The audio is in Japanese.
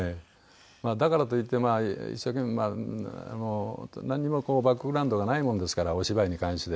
だからといってまあ一生懸命なんにもバックグラウンドがないものですからお芝居に関して。